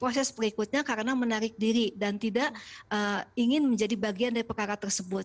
proses berikutnya karena menarik diri dan tidak ingin menjadi bagian dari perkara tersebut